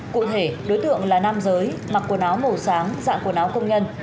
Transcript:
cụ thể đối tượng là nam giới mặc quần áo màu sáng dạng quần áo công nhân